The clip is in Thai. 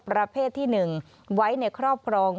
ประเภทที่๑ไว้ในครอบครอง